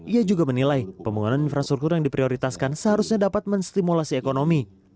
ia juga menilai pembangunan infrastruktur yang diprioritaskan seharusnya dapat menstimulasi ekonomi